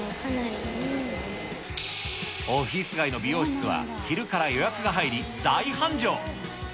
オフィス街の美容室は昼から予約が入り、大繁盛。